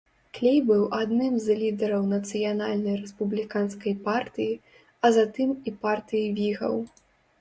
Клей быў адным з лідараў нацыянальнай рэспубліканскай партыі, а затым і партыі вігаў.